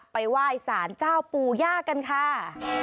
ไปไหว้สารเจ้าปู่ย่ากันค่ะ